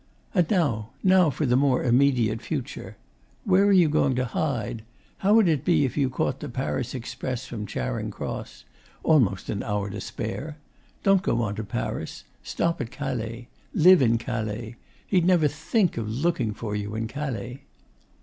'And now now for the more immediate future! Where are you going to hide? How would it be if you caught the Paris express from Charing Cross? Almost an hour to spare. Don't go on to Paris. Stop at Calais. Live in Calais. He'd never think of looking for you in Calais.